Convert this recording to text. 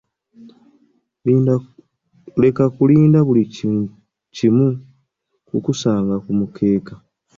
Leka kulinda buli kimu kukusanga ku mukeeka.